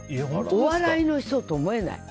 お笑いの人と思えない。